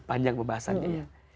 panjang pembahasannya ya